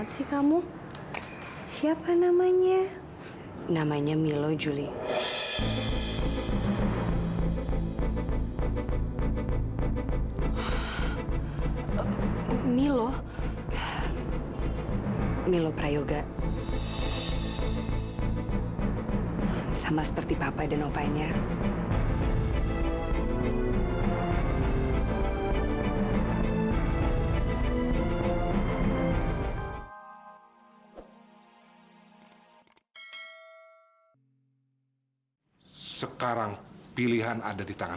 sampai jumpa di video selanjutnya